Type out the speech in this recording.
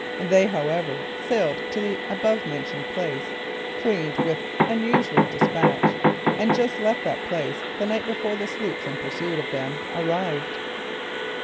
They, however, sailed to the above mentioned place, cleaned with unusual despatch, and just left that place the night before the sloops in pursuit of them arrived.